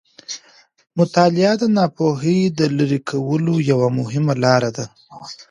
مطالعه د ناپوهي د لیرې کولو یوه مهمه لاره ده.